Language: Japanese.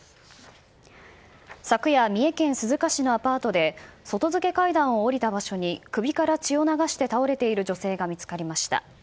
昨夜、三重県鈴鹿市のアパートで外付け階段を下りた場所に首から血を流して倒れている女性が見つかりました。